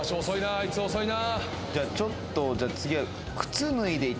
あいつ遅いな。